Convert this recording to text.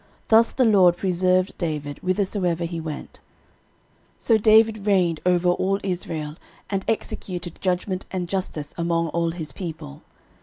Thus the LORD preserved David whithersoever he went. 13:018:014 So David reigned over all Israel, and executed judgment and justice among all his people.